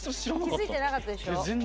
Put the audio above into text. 気付いてなかったでしょ。